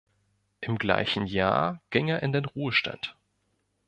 Im gleichen Jahr ging er in den Ruhestand.